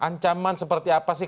ancaman seperti apa sih